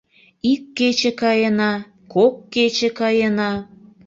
Ик кече каена, кок кече каена.